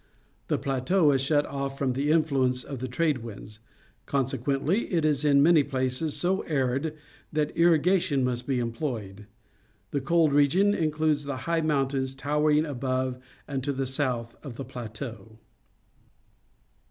The plateau is shut off from the influence of the trade winds. Conse ([uently, it is in many places so arid that irrigation must be employed. The cold region includes the high mountains towering above and to the south of the plateau.